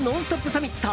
サミット。